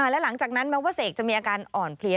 และหลังจากนั้นแม้ว่าเสกจะมีอาการอ่อนเพลีย